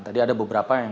tadi ada beberapa yang